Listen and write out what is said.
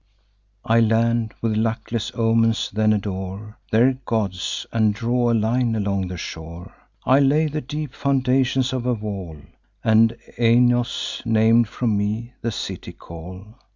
I land; with luckless omens, then adore Their gods, and draw a line along the shore; I lay the deep foundations of a wall, And Aenos, nam'd from me, the city call.